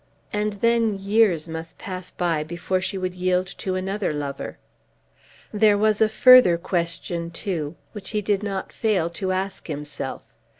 And then years must pass by before she would yield to another lover. There was a further question, too, which he did not fail to ask himself.